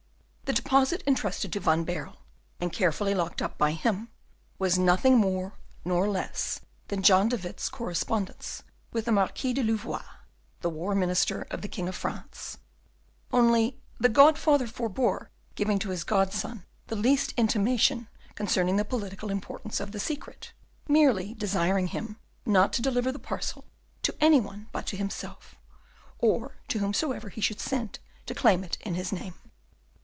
The deposit intrusted to Van Baerle, and carefully locked up by him, was nothing more nor less than John de Witt's correspondence with the Marquis de Louvois, the war minister of the King of France; only the godfather forbore giving to his godson the least intimation concerning the political importance of the secret, merely desiring him not to deliver the parcel to any one but to himself, or to whomsoever he should send to claim it in his name.